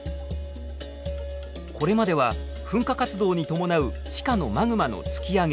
これまでは噴火活動に伴う地下のマグマの突き上げ